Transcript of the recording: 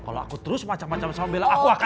kalau aku terus macem macem sama bella aku akan